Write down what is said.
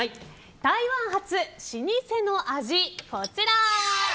台湾発老舗の味、こちら。